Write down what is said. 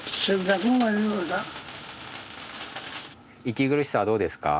息苦しさはどうですか？